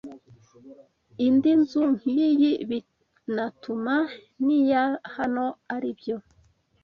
indi nzu nk’iyi binatuma n’iya hano ari byo